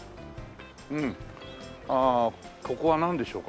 ああここはなんでしょうか。